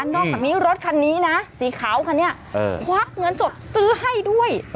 นอกจากนี้รถคันนี้นะสีขาวคันนี้ควักเงินสดซื้อให้ด้วย